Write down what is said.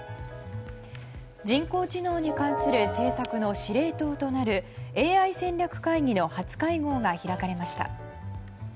人工知能に関する政策の司令塔となるＡＩ戦略会議の初会合が開かれました。